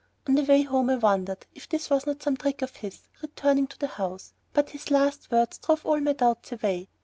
On the way home I wondered if this was not some trick of his, returning to the house, but his last words drove all my doubts away.